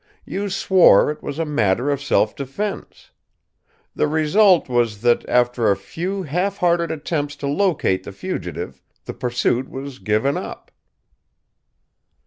You swore it was a matter of self defence. The result was that, after a few half hearted attempts to locate the fugitive, the pursuit was given up."